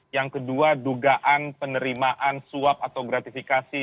yang kedua dugaan penerimaan suap atau gratifikasi